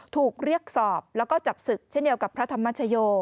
ถูกเรียกสอบแล้วก็จับศึกเช่นเดียวกับพระธรรมชโย